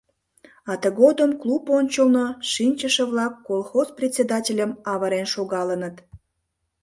А тыгодым клуб ончылно шинчыше-влак колхоз председательым авырен шогалыныт.